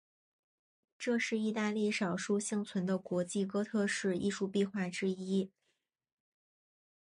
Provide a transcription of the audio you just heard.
这是意大利少数幸存的国际哥特式艺术壁画之一。